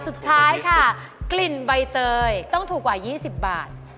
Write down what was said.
สุดท้ายค่ะกลิ่นใบเตยต้องถูกกว่า๒๐บาท